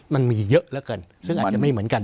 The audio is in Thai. มันมีเยอะแล้วกันซึ่งอาจจะไม่เหมือนกัน